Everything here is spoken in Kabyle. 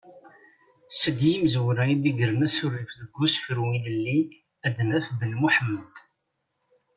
Seg yimezwura i yegren asurif deg usefru ilelli ad naf Ben Muḥemmed.